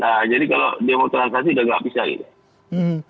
nah jadi kalau dia mau transaksi udah nggak bisa gitu